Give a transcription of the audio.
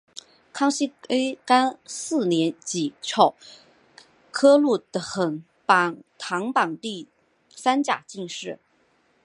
康熙廿四年乙丑科陆肯堂榜第三甲进士。